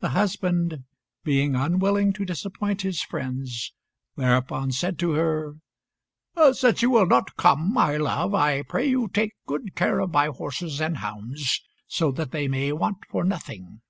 The husband, being unwilling to disappoint his friends, thereupon said to her "Since you will not come, my love, I pray you take good care of my horses and hounds, so that they may want for nothing."